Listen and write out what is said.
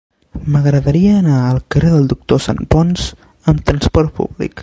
M'agradaria anar al carrer del Doctor Santponç amb trasport públic.